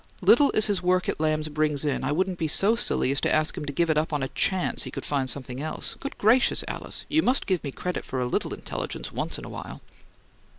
Little as his work at Lamb's brings in, I wouldn't be so silly as to ask him to give it up just on a CHANCE he could find something else. Good gracious, Alice, you must give me credit for a little intelligence once in a while!"